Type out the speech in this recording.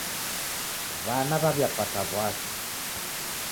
W'ana w'aw'iapata w'asi.